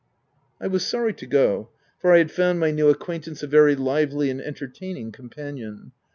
I was sorry to go, for I had found my new acquaintance a very lively and entertaining com panion.